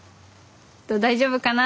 「大丈夫かな？」